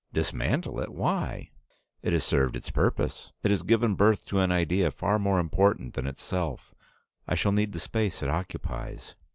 "Dismantle it! Why?" "It has served its purpose. It has given birth to an idea far more important than itself. I shall need the space it occupies."